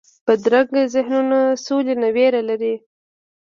بدرنګه ذهنونونه سولې نه ویره لري